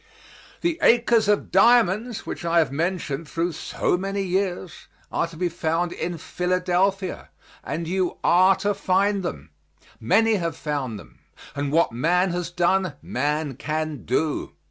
The "Acres of Diamonds" which I have mentioned through so many years are to be found in Philadelphia, and you are to find them. Many have found them. And what man has done, man can do.